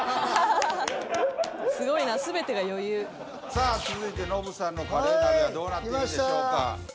さあ続いてノブさんのカレー鍋はどうなっているんでしょうか？